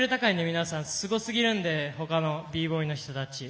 皆さん、すごすぎるんで他のＢＢＯＹの人たち。